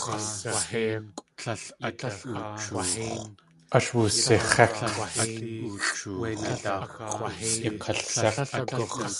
Ash wusix̲ék̲.